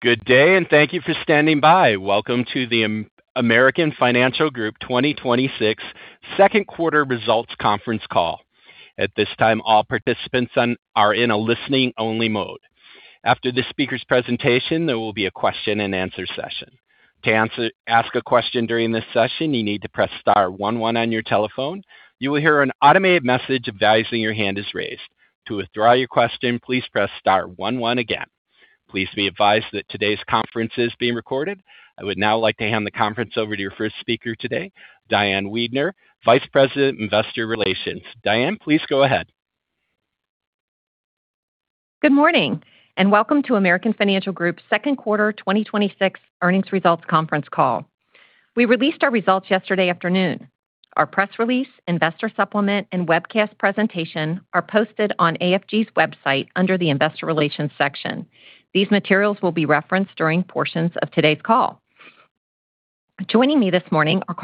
Good day. Thank you for standing by. Welcome to the American Financial Group 2026 second quarter results conference call. At this time, all participants are in a listening only mode. After this speaker's presentation, there will be a question and answer session. To ask a question during this session, you need to press star one one on your telephone. You will hear an automated message advising your hand is raised. To withdraw your question, please press star one one again. Please be advised that today's conference is being recorded. I would now like to hand the conference over to your first speaker today, Diane Weidner, Vice President, Investor Relations. Diane, please go ahead. Good morning. Welcome to American Financial Group's second quarter 2026 earnings results conference call. We released our results yesterday afternoon. Our press release, investor supplement, and webcast presentation are posted on AFG's website under the investor relations section. These materials will be referenced during portions of today's call. Joining me this morning are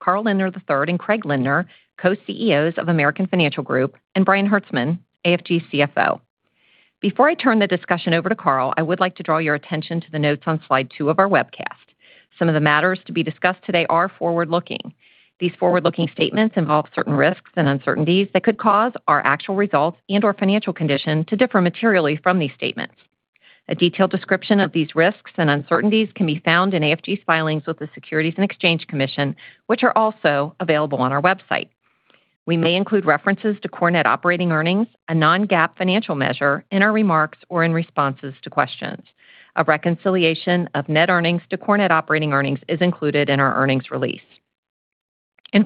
Carl Lindner III and Craig Lindner, Co-CEOs of American Financial Group, and Brian Hertzman, AFG CFO. Before I turn the discussion over to Carl, I would like to draw your attention to the notes on slide two of our webcast. Some of the matters to be discussed today are forward-looking. These forward-looking statements involve certain risks and uncertainties that could cause our actual results and/or financial condition to differ materially from these statements. A detailed description of these risks and uncertainties can be found in AFG's filings with the Securities and Exchange Commission, which are also available on our website. We may include references to core net operating earnings, a non-GAAP financial measure, in our remarks or in responses to questions. A reconciliation of net earnings to core net operating earnings is included in our earnings release.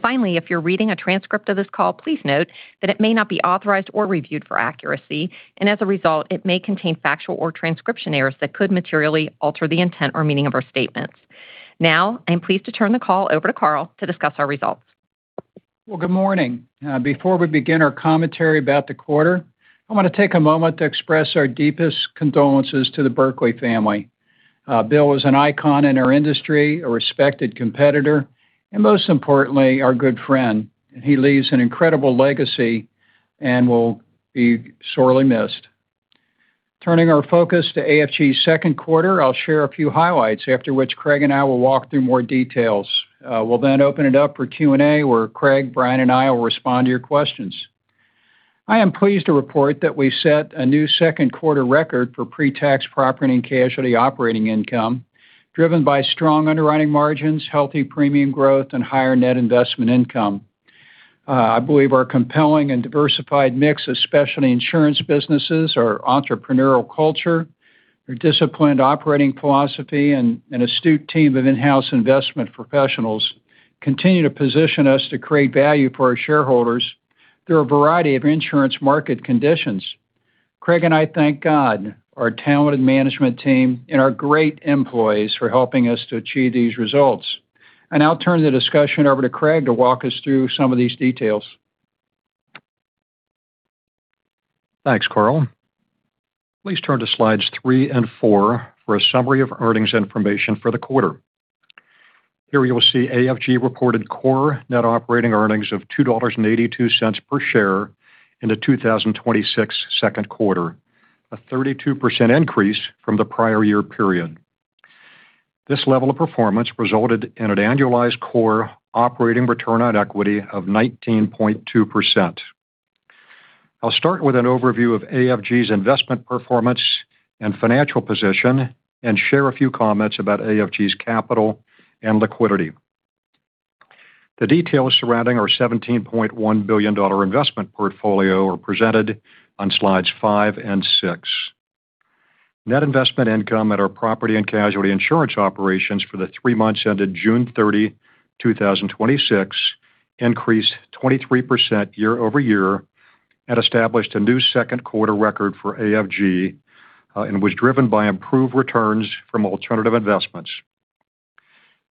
Finally, if you're reading a transcript of this call, please note that it may not be authorized or reviewed for accuracy, and as a result, it may contain factual or transcription errors that could materially alter the intent or meaning of our statements. I am pleased to turn the call over to Carl to discuss our results. Well, good morning. Before we begin our commentary about the quarter, I want to take a moment to express our deepest condolences to the Berkley family. Bill was an icon in our industry, a respected competitor, and most importantly, our good friend. He leaves an incredible legacy and will be sorely missed. Turning our focus to AFG's second quarter, I'll share a few highlights, after which Craig and I will walk through more details. We'll then open it up for Q&A, where Craig, Brian, and I will respond to your questions. I am pleased to report that we've set a new second quarter record for pre-tax property and casualty operating income driven by strong underwriting margins, healthy premium growth, and higher net investment income. I believe our compelling and diversified mix of specialty insurance businesses, our entrepreneurial culture, our disciplined operating philosophy, and an astute team of in-house investment professionals continue to position us to create value for our shareholders through a variety of insurance market conditions. Craig and I thank God, our talented management team, and our great employees for helping us to achieve these results. I'll turn the discussion over to Craig to walk us through some of these details. Thanks, Carl. Please turn to slides three and four for a summary of earnings information for the quarter. Here you will see AFG reported core net operating earnings of $2.82 per share in the 2026 second quarter, a 32% increase from the prior year period. This level of performance resulted in an annualized core operating return on equity of 19.2%. I'll start with an overview of AFG's investment performance and financial position and share a few comments about AFG's capital and liquidity. The details surrounding our $17.1 billion investment portfolio are presented on slides five and six. Net investment income at our property and casualty insurance operations for the three months ended June 30, 2026, increased 23% year-over-year and established a new second quarter record for AFG and was driven by improved returns from alternative investments.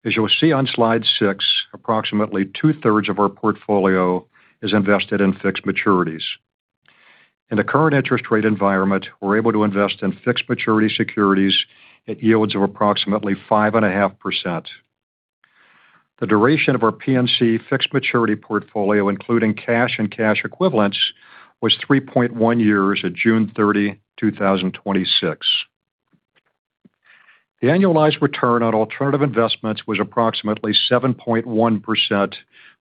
As you'll see on slide six, approximately two-thirds of our portfolio is invested in fixed maturities. In the current interest rate environment, we're able to invest in fixed maturity securities at yields of approximately 5.5%. The duration of our P&C fixed maturity portfolio, including cash and cash equivalents, was 3.1 years at June 30, 2026. The annualized return on alternative investments was approximately 7.1%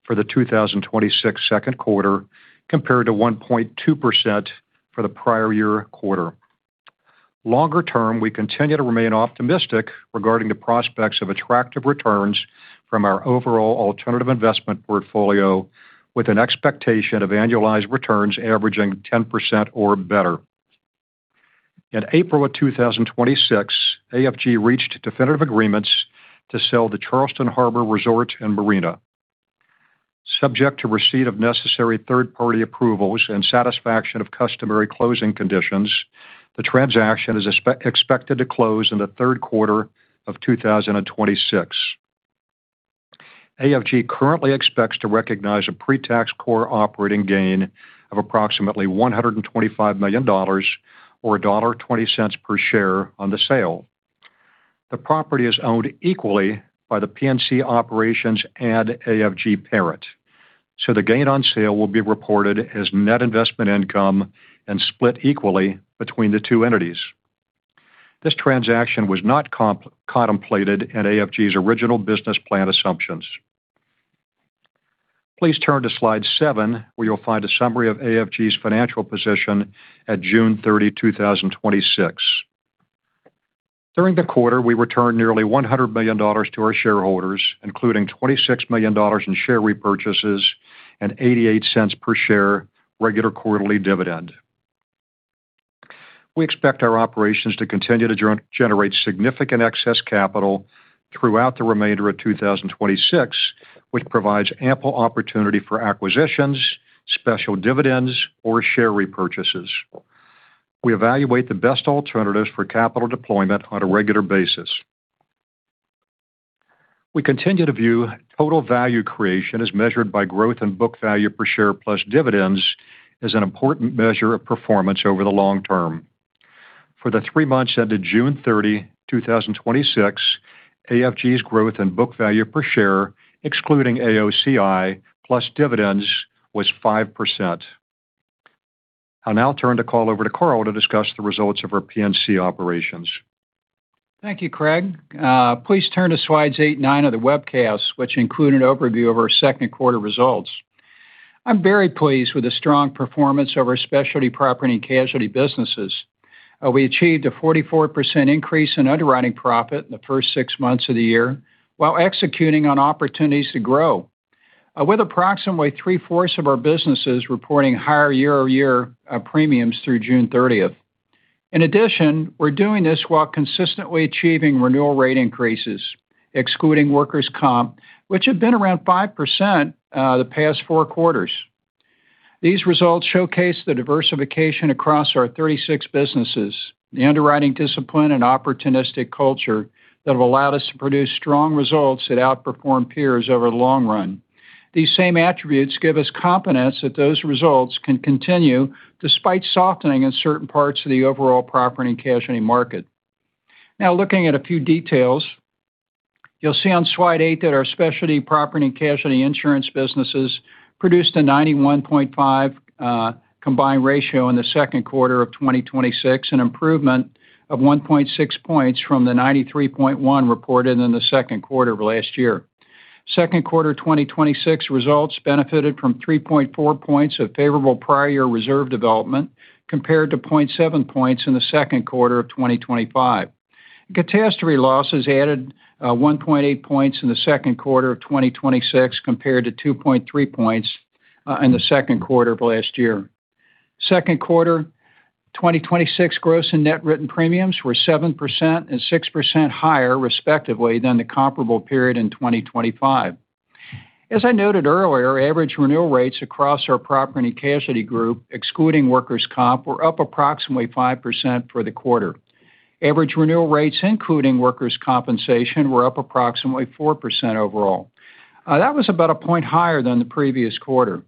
for the 2026 second quarter compared to 1.2% for the prior year quarter. Longer term, we continue to remain optimistic regarding the prospects of attractive returns from our overall alternative investment portfolio with an expectation of annualized returns averaging 10% or better. In April of 2026, AFG reached definitive agreements to sell the Charleston Harbor Resort & Marina. Subject to receipt of necessary third-party approvals and satisfaction of customary closing conditions, the transaction is expected to close in the third quarter of 2026. AFG currently expects to recognize a pre-tax core operating gain of approximately $125 million, or $1.20 per share on the sale. The property is owned equally by the P&C operations and AFG parent. The gain on sale will be reported as net investment income and split equally between the two entities. This transaction was not contemplated in AFG's original business plan assumptions. Please turn to slide seven, where you'll find a summary of AFG's financial position at June 30, 2026. During the quarter, we returned nearly $100 million to our shareholders, including $26 million in share repurchases and $0.88 per share regular quarterly dividend. We expect our operations to continue to generate significant excess capital throughout the remainder of 2026, which provides ample opportunity for acquisitions, special dividends or share repurchases. We evaluate the best alternatives for capital deployment on a regular basis. We continue to view total value creation as measured by growth in book value per share plus dividends as an important measure of performance over the long term. For the three months ended June 30, 2026, AFG's growth in book value per share, excluding AOCI plus dividends, was 5%. I'll now turn the call over to Carl to discuss the results of our P&C operations. Thank you, Craig. Please turn to slides eight and nine of the webcast, which include an overview of our second quarter results. I'm very pleased with the strong performance of our specialty property and casualty businesses. We achieved a 44% increase in underwriting profit in the first six months of the year while executing on opportunities to grow, with approximately three-fourths of our businesses reporting higher year-over-year premiums through June 30th. In addition, we're doing this while consistently achieving renewal rate increases, excluding workers' comp, which have been around 5% the past four quarters. These results showcase the diversification across our 36 businesses, the underwriting discipline and opportunistic culture that have allowed us to produce strong results that outperform peers over the long run. These same attributes give us confidence that those results can continue despite softening in certain parts of the overall property and casualty market. Now, looking at a few details. You'll see on slide eight that our specialty property and casualty insurance businesses produced a 91.5 combined ratio in the second quarter of 2026, an improvement of 1.6 points from the 93.1 reported in the second quarter of last year. Second quarter 2026 results benefited from 3.4 points of favorable prior year reserve development, compared to 0.7 points in the second quarter of 2025. Catastrophe losses added 1.8 points in the second quarter of 2026 compared to 2.3 points in the second quarter of last year. Second quarter 2026 gross and net written premiums were 7% and 6% higher, respectively, than the comparable period in 2025. As I noted earlier, average renewal rates across our property and casualty group, excluding workers' comp, were up approximately 5% for the quarter. Average renewal rates, including workers' compensation, were up approximately 4% overall. That was about a point higher than the previous quarter.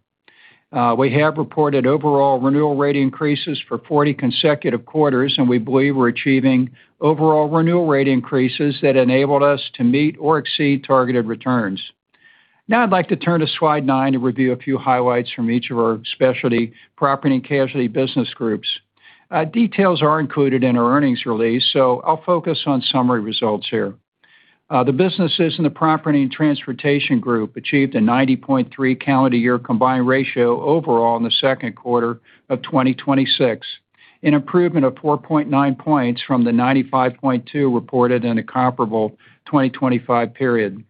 We have reported overall renewal rate increases for 40 consecutive quarters. We believe we're achieving overall renewal rate increases that enabled us to meet or exceed targeted returns. Now I'd like to turn to slide nine to review a few highlights from each of our specialty property and casualty business groups. Details are included in our earnings release, so I'll focus on summary results here. The businesses in the property and transportation group achieved a 90.3 calendar year combined ratio overall in the second quarter of 2026, an improvement of 4.9 points from the 95.2 reported in the comparable 2025 period.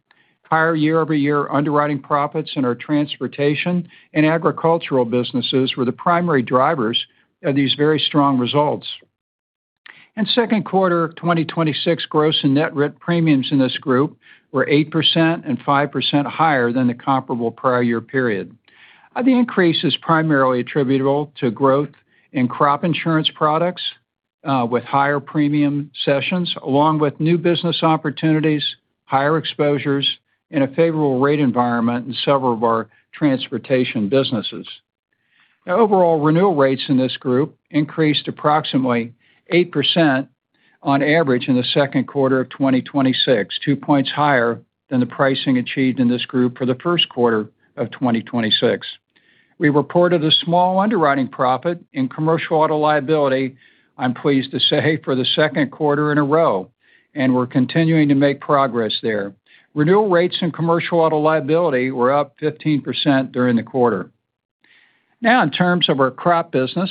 Higher year-over-year underwriting profits in our transportation and agricultural businesses were the primary drivers of these very strong results. In second quarter of 2026, gross and net written premiums in this group were 8% and 5% higher than the comparable prior year period. The increase is primarily attributable to growth in crop insurance products, with higher premium sessions, along with new business opportunities, higher exposures, and a favorable rate environment in several of our transportation businesses. Overall, renewal rates in this group increased approximately 8% on average in the second quarter of 2026, two points higher than the pricing achieved in this group for the first quarter of 2026. We reported a small underwriting profit in commercial auto liability, I'm pleased to say, for the second quarter in a row, and we're continuing to make progress there. Renewal rates in commercial auto liability were up 15% during the quarter. In terms of our crop business,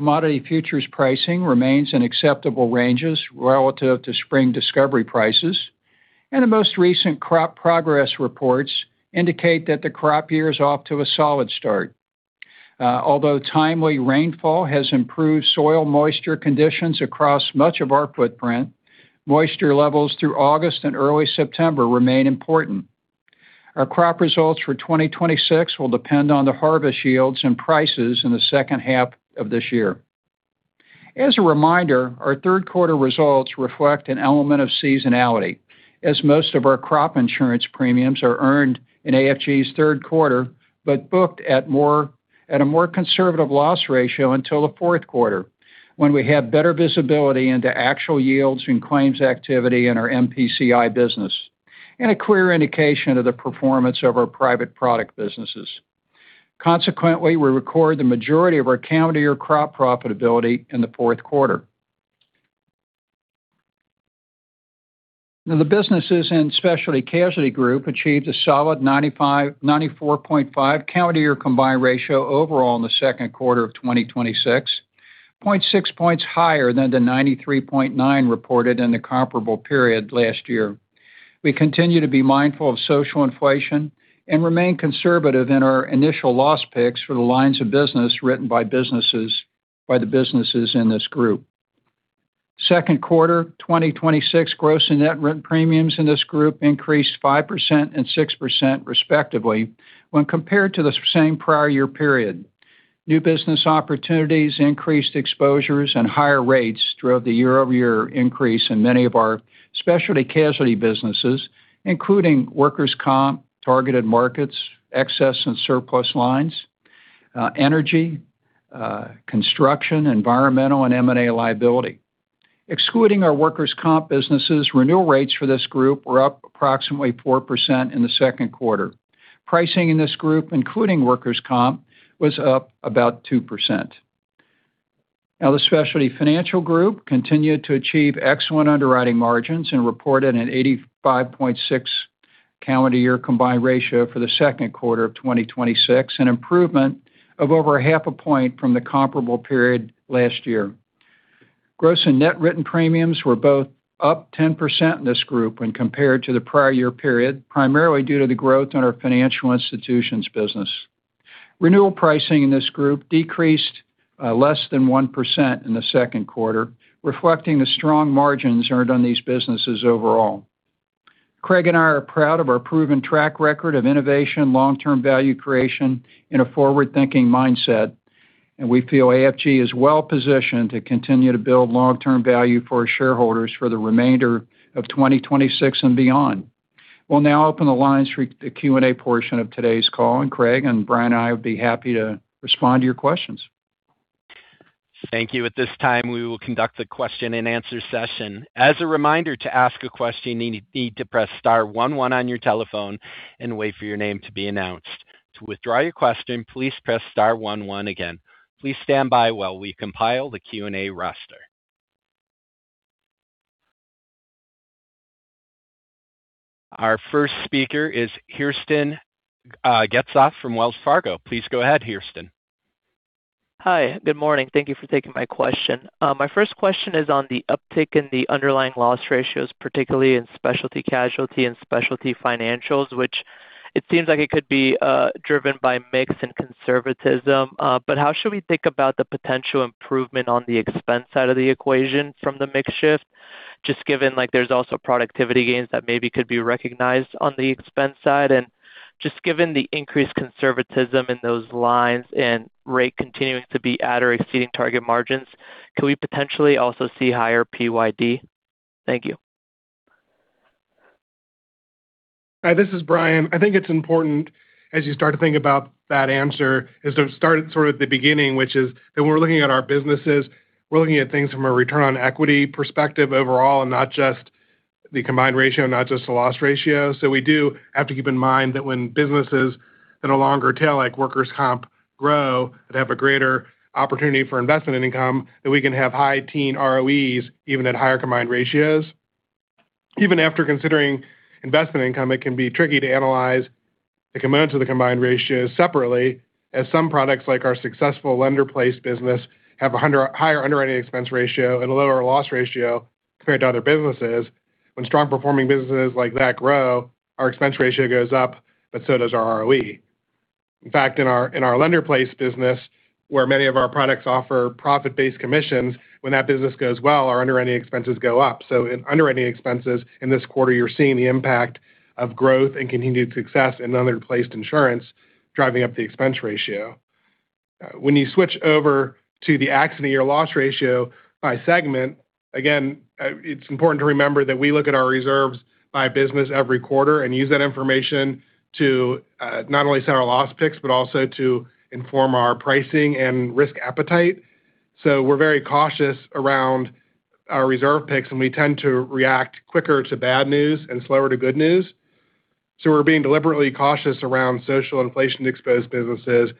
commodity futures pricing remains in acceptable ranges relative to spring discovery prices, and the most recent crop progress reports indicate that the crop year is off to a solid start. Although timely rainfall has improved soil moisture conditions across much of our footprint, moisture levels through August and early September remain important. Our crop results for 2026 will depend on the harvest yields and prices in the second half of this year. As a reminder, our third quarter results reflect an element of seasonality, as most of our crop insurance premiums are earned in AFG's third quarter, but booked at a more conservative loss ratio until the fourth quarter, when we have better visibility into actual yields and claims activity in our MPCI business, and a clear indication of the performance of our private product businesses. We record the majority of our calendar year crop profitability in the fourth quarter. The businesses in Specialty Casualty Group achieved a solid 94.5 calendar year combined ratio overall in the second quarter of 2026, 0.6 points higher than the 93.9 reported in the comparable period last year. We continue to be mindful of social inflation and remain conservative in our initial loss picks for the lines of business written by the businesses in this group. Second quarter 2026 gross and net written premiums in this group increased 5% and 6% respectively when compared to the same prior year period. New business opportunities, increased exposures, and higher rates drove the year-over-year increase in many of our specialty casualty businesses, including workers' comp, targeted markets, excess and surplus lines, energy, construction, environmental, and M&A liability. Excluding our workers' comp businesses, renewal rates for this group were up approximately 4% in the second quarter. Pricing in this group, including workers' comp, was up about 2%. The Specialty Financial Group continued to achieve excellent underwriting margins and reported an 85.6 calendar year combined ratio for the second quarter of 2026, an improvement of over half a point from the comparable period last year. Gross and net written premiums were both up 10% in this group when compared to the prior year period, primarily due to the growth in our financial institutions business. Renewal pricing in this group decreased less than 1% in the second quarter, reflecting the strong margins earned on these businesses overall. Craig and I are proud of our proven track record of innovation, long-term value creation, and a forward-thinking mindset. We feel AFG is well-positioned to continue to build long-term value for our shareholders for the remainder of 2026 and beyond. We'll now open the lines for the Q&A portion of today's call. Craig and Brian and I would be happy to respond to your questions. Thank you. At this time, we will conduct the question-and-answer session. As a reminder, to ask a question, you need to press star one one on your telephone and wait for your name to be announced. To withdraw your question, please press star one one again. Please stand by while we compile the Q&A roster. Our first speaker is Hristian Getsov from Wells Fargo. Please go ahead, Hristian. Hi. Good morning. Thank you for taking my question. My first question is on the uptick in the underlying loss ratios, particularly in specialty casualty and specialty financials, which it seems like it could be driven by mix and conservatism. How should we think about the potential improvement on the expense side of the equation from the mix shift, just given there's also productivity gains that maybe could be recognized on the expense side? Just given the increased conservatism in those lines and rate continuing to be at or exceeding target margins, could we potentially also see higher PYD? Thank you. Hi, this is Brian. I think it's important as you start to think about that answer, is to start sort of at the beginning, which is that when we're looking at our businesses, we're looking at things from a return on equity perspective overall and not just the combined ratio, not just the loss ratio. We do have to keep in mind that when businesses in a longer tail, like workers' compensation, grow, that have a greater opportunity for investment income, that we can have high teen ROEs even at higher combined ratios. Even after considering investment income, it can be tricky to analyze the components of the combined ratios separately, as some products, like our successful lender-placed business, have a higher underwriting expense ratio and a lower loss ratio compared to other businesses. When strong-performing businesses like that grow, our expense ratio goes up, but so does our ROE. In fact, in our lender-placed business, where many of our products offer profit-based commissions, when that business goes well, our underwriting expenses go up. In underwriting expenses in this quarter, you're seeing the impact of growth and continued success in lender-placed insurance driving up the expense ratio. When you switch over to the accident year loss ratio by segment, again, it's important to remember that we look at our reserves by business every quarter and use that information to not only set our loss picks, but also to inform our pricing and risk appetite. We're very cautious around our reserve picks, and we tend to react quicker to bad news and slower to good news. We're being deliberately cautious around social inflation-exposed businesses,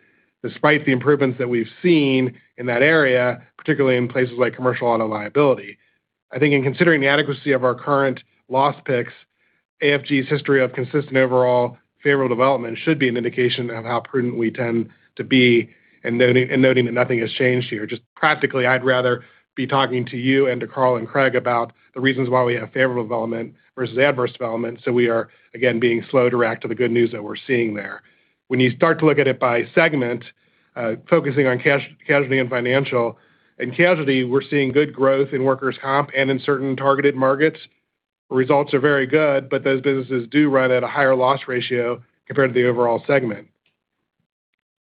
despite the improvements that we've seen in that area, particularly in places like commercial auto liability. I think in considering the adequacy of our current loss picks, AFG's history of consistent overall favorable development should be an indication of how prudent we tend to be and noting that nothing has changed here. Just practically, I'd rather be talking to you and to Carl and Craig about the reasons why we have favorable development versus adverse development. We are, again, being slow to react to the good news that we're seeing there. When you start to look at it by segment, focusing on casualty and financial, in casualty, we're seeing good growth in workers' compensation and in certain targeted markets. Results are very good, but those businesses do run at a higher loss ratio compared to the overall segment.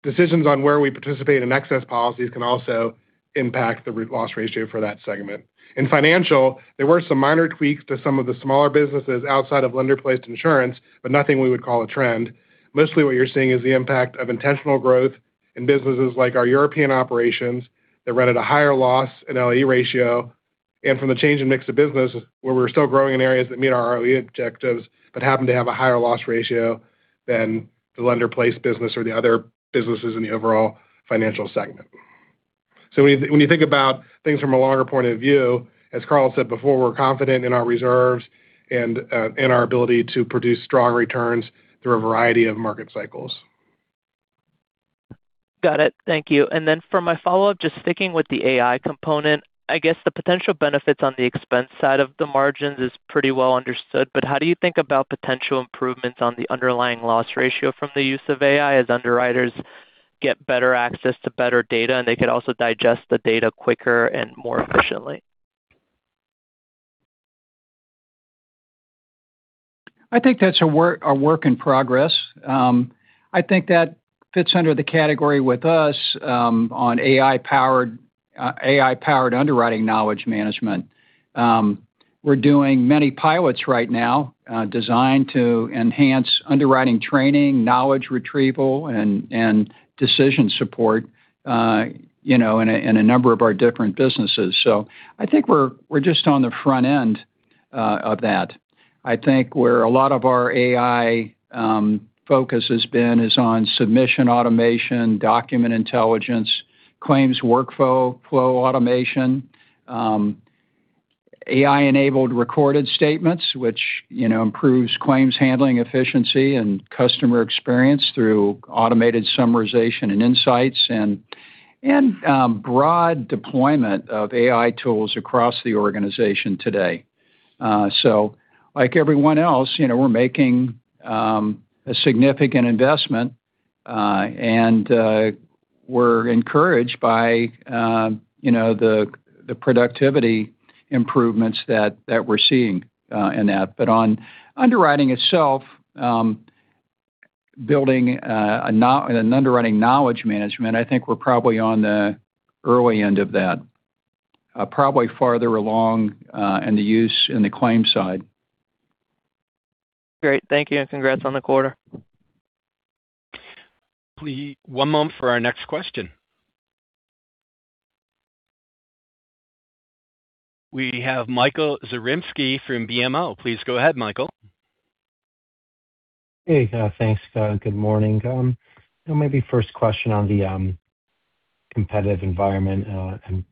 Decisions on where we participate in excess policies can also impact the root loss ratio for that segment. In financial, there were some minor tweaks to some of the smaller businesses outside of lender-placed insurance, but nothing we would call a trend. Mostly what you're seeing is the impact of intentional growth in businesses like our European operations that run at a higher loss and LAE ratio, and from the change in mix of business where we're still growing in areas that meet our ROE objectives, but happen to have a higher loss ratio than the lender-placed business or the other businesses in the overall financial segment. When you think about things from a longer point of view, as Carl said before, we're confident in our reserves and in our ability to produce strong returns through a variety of market cycles. Got it. Thank you. Then for my follow-up, just sticking with the AI component, I guess the potential benefits on the expense side of the margins is pretty well understood. How do you think about potential improvements on the underlying loss ratio from the use of AI as underwriters get better access to better data, and they could also digest the data quicker and more efficiently? I think that's a work in progress. I think that fits under the category with us, on AI-powered underwriting knowledge management. We're doing many pilots right now designed to enhance underwriting training, knowledge retrieval, and decision support, in a number of our different businesses. I think we're just on the front end of that. I think where a lot of our AI focus has been is on submission automation, document intelligence, claims workflow automation, AI-enabled recorded statements, which improves claims handling efficiency and customer experience through automated summarization and insights, and broad deployment of AI tools across the organization today. Like everyone else, we're making a significant investment, and we're encouraged by the productivity improvements that we're seeing in that. On underwriting itself, building an underwriting knowledge management, I think we're probably on the early end of that. Probably farther along, in the use in the claims side. Great. Thank you, and congrats on the quarter. Please, one moment for our next question. We have Michael Zaremski from BMO. Please go ahead, Michael. Hey, thanks. Good morning. Maybe first question on the competitive environment and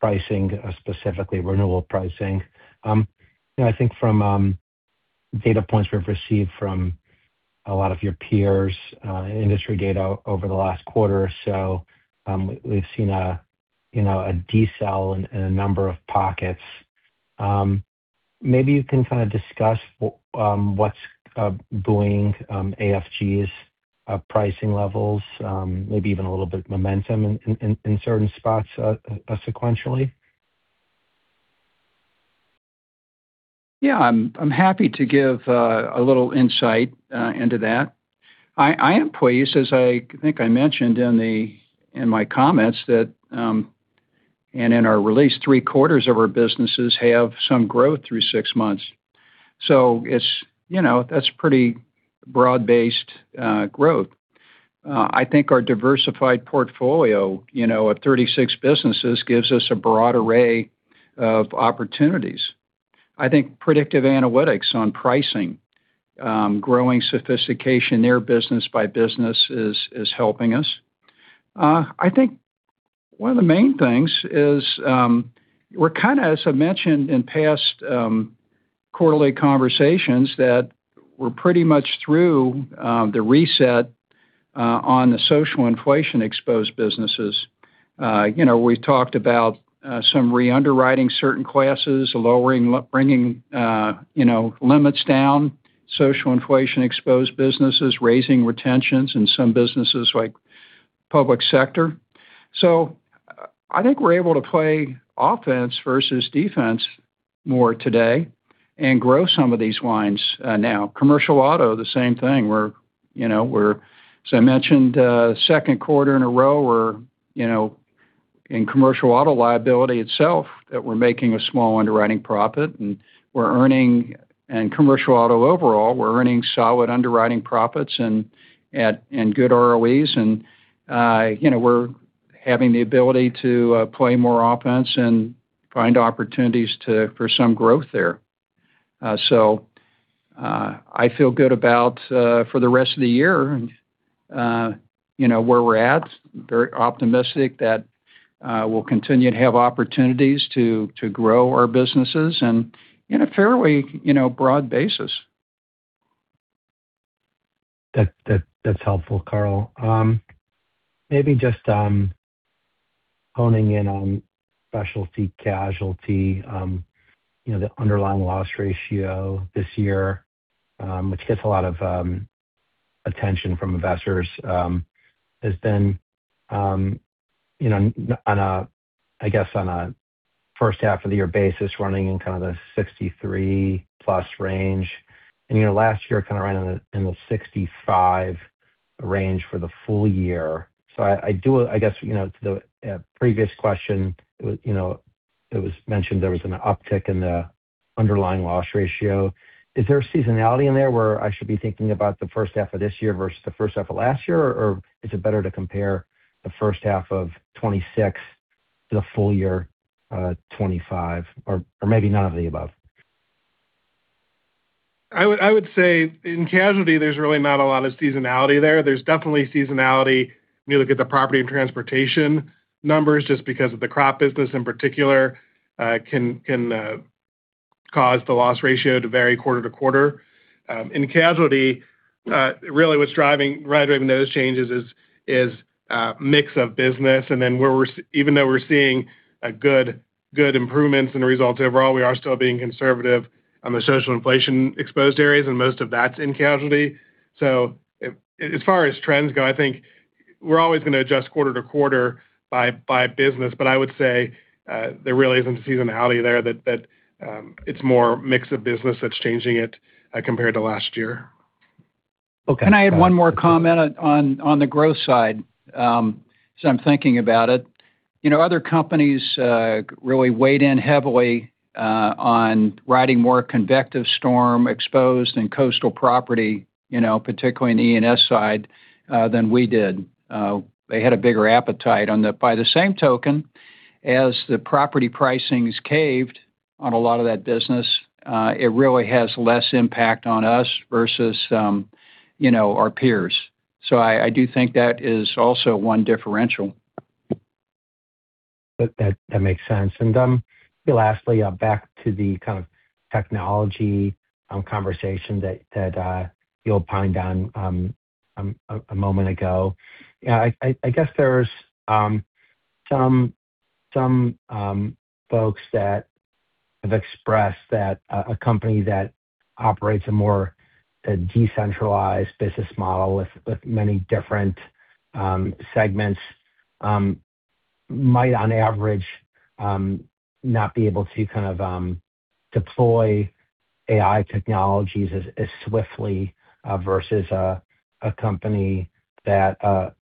pricing, specifically renewable pricing. I think from data points we've received from a lot of your peers, industry data over the last quarter or so, we've seen a decel in a number of pockets. Maybe you can kind of discuss what's buoying AFG's pricing levels, maybe even a little bit of momentum in certain spots sequentially. Yeah, I'm happy to give a little insight into that. I am pleased, as I think I mentioned in my comments and in our release, three-quarters of our businesses have some growth through six months. That's pretty broad-based growth. I think our diversified portfolio of 36 businesses gives us a broad array of opportunities. I think predictive analytics on pricing, growing sophistication there business by business is helping us. I think one of the main things is, we're kind of, as I mentioned in past quarterly conversations, that we're pretty much through the reset on the social inflation exposed businesses. We've talked about some re-underwriting certain classes, bringing limits down, social inflation exposed businesses, raising retentions in some businesses like public sector. I think we're able to play offense versus defense more today and grow some of these lines now. Commercial Auto, the same thing. As I mentioned, second quarter in a row we're in Commercial Auto liability itself that we're making a small underwriting profit, and Commercial Auto overall, we're earning solid underwriting profits and good ROEs. We're having the ability to play more offense and find opportunities for some growth there. I feel good about for the rest of the year and where we're at. Very optimistic that we'll continue to have opportunities to grow our businesses and in a fairly broad basis. That's helpful, Carl. Maybe just honing in on Specialty Casualty. The underlying loss ratio this year, which gets a lot of attention from investors, has been I guess on a first half of the year basis running in kind of the 63 plus range. Last year, kind of right in the 65 range for the full year. I do, I guess, to the previous question, it was mentioned there was an uptick in the underlying loss ratio. Is there a seasonality in there where I should be thinking about the first half of this year versus the first half of last year, or is it better to compare the first half of 2026 to the full year of 2025? Maybe none of the above? I would say in casualty, there's really not a lot of seasonality there. There's definitely seasonality when you look at the property and transportation numbers, just because of the crop business in particular, can cause the loss ratio to vary quarter-to-quarter. In casualty, really what's driving those changes is mix of business. Even though we're seeing good improvements in the results overall, we are still being conservative on the social inflation exposed areas, and most of that's in casualty. As far as trends go, I think we're always going to adjust quarter-to-quarter by business. I would say there really isn't a seasonality there, that it's more mix of business that's changing it compared to last year. Okay. Can I add one more comment on the growth side? As I'm thinking about it. Other companies really weighed in heavily on writing more convective, storm exposed, and coastal property, particularly in the E&S side, than we did. They had a bigger appetite on that. By the same token, as the property pricings caved on a lot of that business, it really has less impact on us versus our peers. I do think that is also one differential. That makes sense. Lastly, back to the kind of technology conversation that you opened on a moment ago. I guess there's some folks that have expressed that a company that operates a more decentralized business model with many different segments might, on average, not be able to deploy AI technologies as swiftly versus an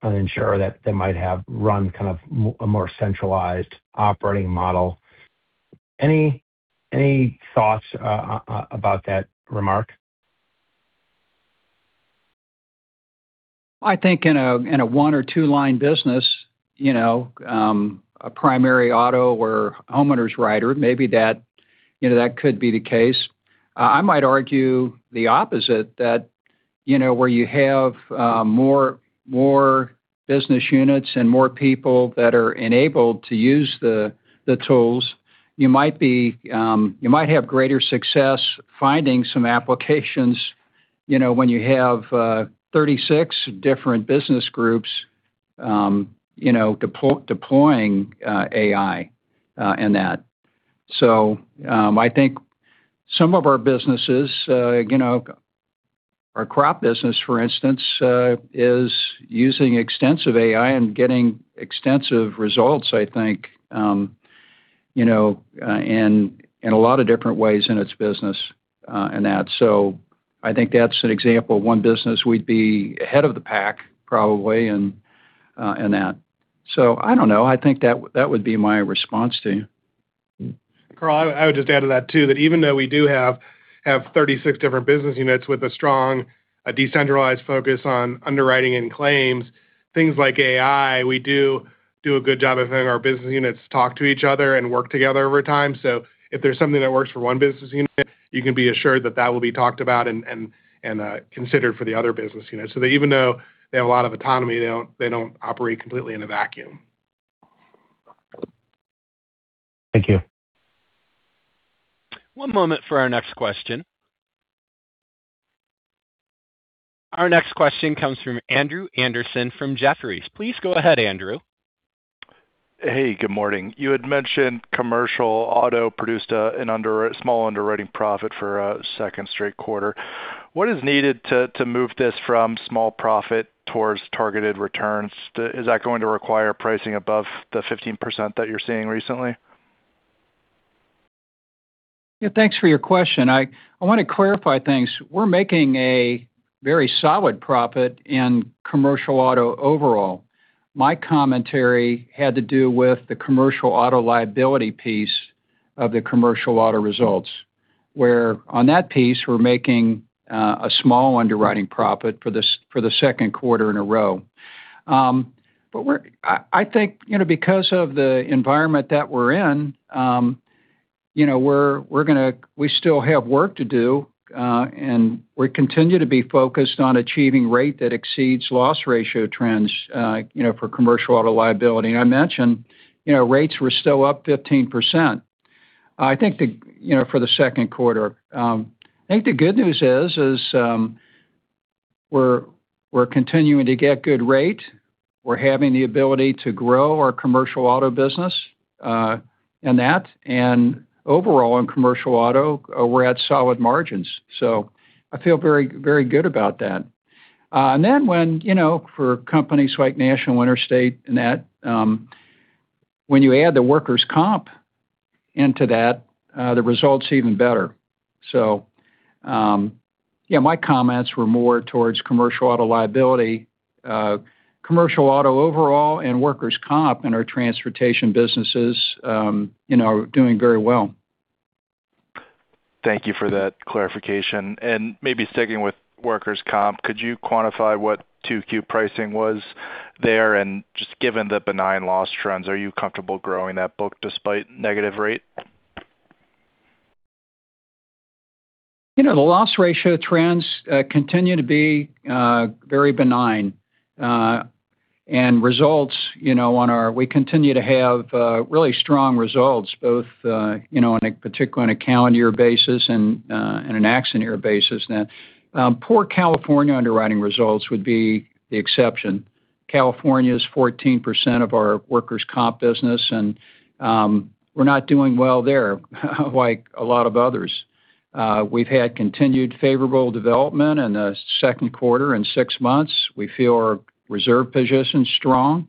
insurer that might have run a more centralized operating model. Any thoughts about that remark? I think in a one or two-line business, a primary auto or homeowners writer, maybe that could be the case. I might argue the opposite, that where you have more business units and more people that are enabled to use the tools, you might have greater success finding some applications, when you have 36 different business groups deploying AI in that. I think some of our businesses, our crop business, for instance, is using extensive AI and getting extensive results, I think, in a lot of different ways in its business in that. I think that's an example of one business we'd be ahead of the pack probably in that. I don't know. I think that would be my response to you. Carl, I would just add to that, too, that even though we do have 36 different business units with a strong decentralized focus on underwriting and claims, things like AI, we do a good job of having our business units talk to each other and work together over time. If there's something that works for one business unit, you can be assured that that will be talked about and considered for the other business units. Even though they have a lot of autonomy, they don't operate completely in a vacuum. Thank you. One moment for our next question. Our next question comes from Andrew Andersen from Jefferies. Please go ahead, Andrew. Hey, good morning. You had mentioned commercial auto produced a small underwriting profit for a second straight quarter. What is needed to move this from small profit towards targeted returns? Is that going to require pricing above the 15% that you're seeing recently? Yeah. Thanks for your question. I want to clarify things. We're making a very solid profit in commercial auto overall. My commentary had to do with the commercial auto liability piece of the commercial auto results, where on that piece, we're making a small underwriting profit for the second quarter in a row. I think because of the environment that we're in, we still have work to do, and we continue to be focused on achieving rate that exceeds loss ratio trends for commercial auto liability. I mentioned, rates were still up 15%. For the second quarter. I think the good news is, we're continuing to get good rate. We're having the ability to grow our commercial auto business in that, and overall in commercial auto, we're at solid margins, so I feel very good about that. For companies like National Interstate, when you add the workers' comp into that, the result's even better. Yeah, my comments were more towards commercial auto liability. Commercial auto overall and workers' comp in our transportation businesses are doing very well. Thank you for that clarification. Maybe sticking with workers' compensation, could you quantify what 2Q pricing was there? Just given the benign loss trends, are you comfortable growing that book despite negative rate? The loss ratio trends continue to be very benign. We continue to have really strong results, both particular on a calendar year basis and an accident year basis now. Poor California underwriting results would be the exception. California is 14% of our workers' compensation business, and we're not doing well there, like a lot of others. We've had continued favorable development in the second quarter and six months. We feel our reserve position's strong.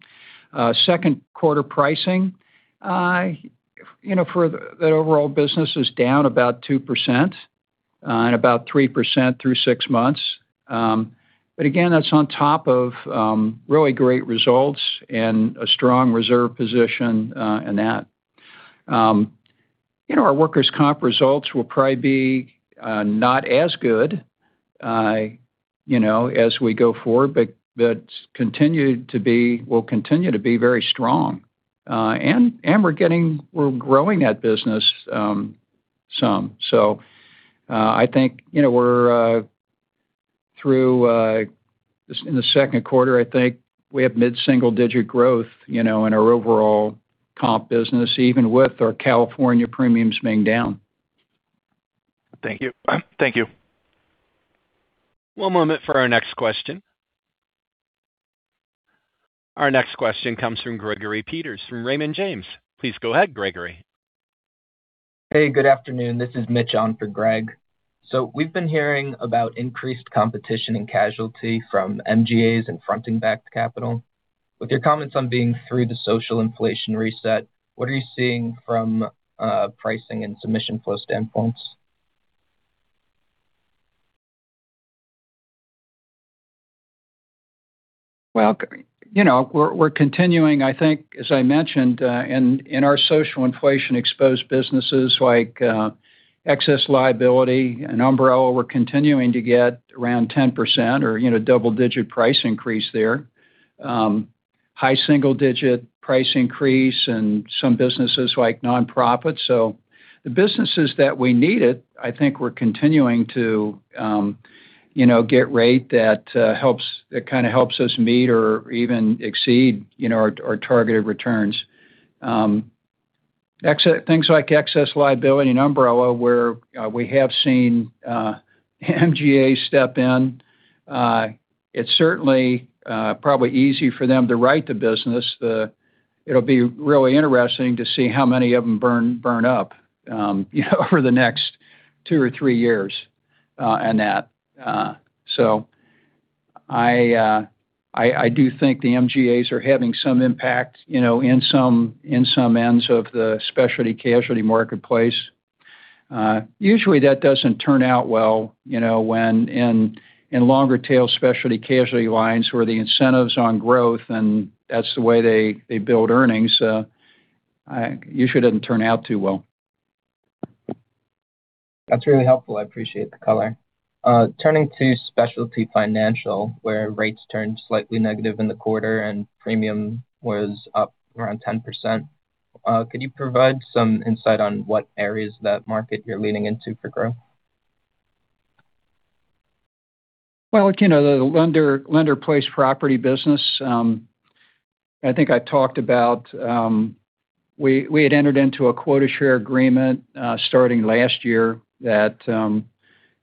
Second quarter pricing for the overall business is down about 2% and about 3% through six months. Again, that's on top of really great results and a strong reserve position in that. Our workers' compensation results will probably be not as good as we go forward, but will continue to be very strong. We're growing that business some. I think through in the second quarter, we have mid-single digit growth in our overall comp business, even with our California premiums being down. Thank you. Thank you. One moment for our next question. Our next question comes from Gregory Peters from Raymond James. Please go ahead, Gregory. Hey, good afternoon. This is Mitch on for Greg. We've been hearing about increased competition in casualty from MGAs and fronting-backed capital. With your comments on being through the social inflation reset, what are you seeing from pricing and submission flow standpoints? We're continuing, I think as I mentioned, in our social inflation-exposed businesses like excess liability and umbrella, we're continuing to get around 10% or double-digit price increase there. High single-digit price increase in some businesses like non-profit. The businesses that we need it, I think we're continuing to get rate that kind of helps us meet or even exceed our targeted returns. Things like excess liability and umbrella, where we have seen MGA step in, it's certainly probably easy for them to write the business. It'll be really interesting to see how many of them burn up over the next two or three years on that. I do think the MGAs are having some impact in some ends of the specialty casualty marketplace. Usually, that doesn't turn out well in longer tail specialty casualty lines where the incentive's on growth, and that's the way they build earnings. It usually doesn't turn out too well. That's really helpful. I appreciate the color. Turning to specialty financial, where rates turned slightly negative in the quarter and premium was up around 10%. Could you provide some insight on what areas of that market you're leaning into for growth? The lender-placed property business, I think I talked about, we had entered into a quota share agreement starting last year that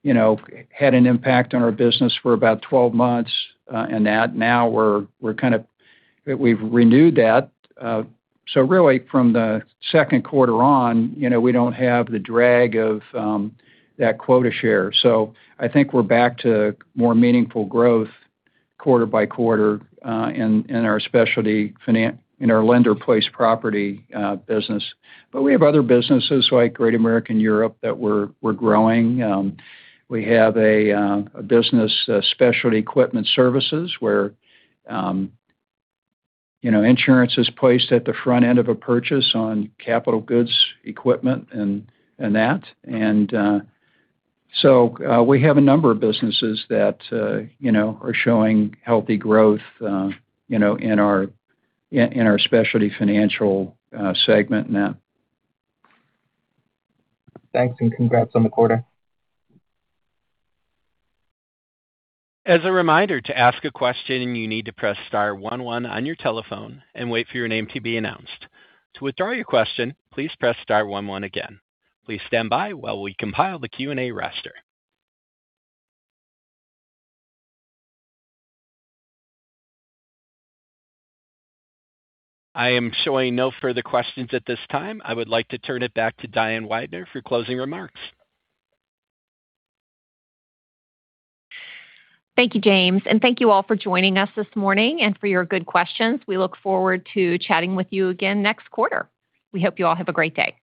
had an impact on our business for about 12 months, and now we've renewed that. Really from the second quarter on, we don't have the drag of that quota share. I think we're back to more meaningful growth quarter-by-quarter in our lender-placed property business. We have other businesses like Great American Europe that we're growing. We have a business Specialty Equipment Services where insurance is placed at the front end of a purchase on capital goods equipment and that. We have a number of businesses that are showing healthy growth in our specialty financial segment now. Thanks, and congrats on the quarter. As a reminder, to ask a question, you need to press star one one on your telephone and wait for your name to be announced. To withdraw your question, please press star one one again. Please stand by while we compile the Q&A roster. I am showing no further questions at this time. I would like to turn it back to Diane Weidner for closing remarks. Thank you, James, and thank you all for joining us this morning and for your good questions. We look forward to chatting with you again next quarter. We hope you all have a great day.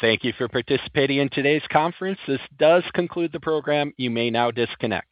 Thank you for participating in today's conference. This does conclude the program. You may now disconnect.